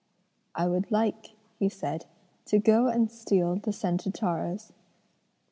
'I would like,' he said, 'to go and steal the scented taros.'